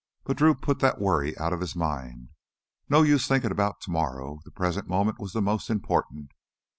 But Drew put that worry out of his mind. No use thinking about tomorrow; the present moment was the most important.